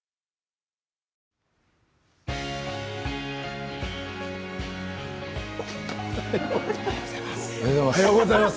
おはようございます。